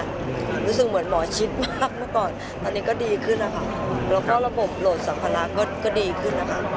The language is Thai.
รู้สึกเหมือนหมอชิดมากดูก่อนตอนนี้ก็ดีขึ้นแล้วก็ระบบโหลดสังพลาณก็ดีขึ้น